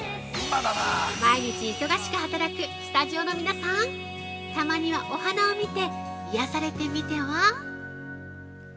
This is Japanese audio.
毎日、忙しく働くスタジオの皆さん、たまにはお花を見て癒やされてみては？